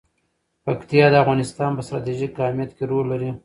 پکتیا د افغانستان په ستراتیژیک اهمیت کې رول لري.